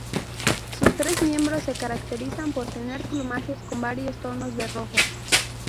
Sus tres miembros se caracterizan por tener plumajes con varios tonos de rojo.